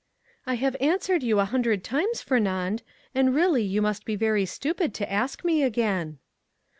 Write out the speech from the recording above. "I have answered you a hundred times, Fernand, and really you must be very stupid to ask me again."